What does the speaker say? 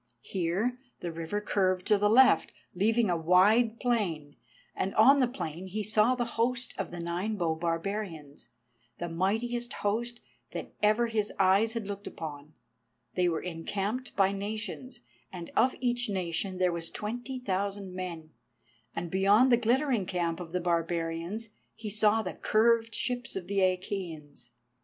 Here the river curved to the left, leaving a wide plain, and on the plain he saw the host of the Nine bow barbarians, the mightiest host that ever his eyes had looked upon. They were encamped by nations, and of each nation there was twenty thousand men, and beyond the glittering camp of the barbarians he saw the curved ships of the Achæans.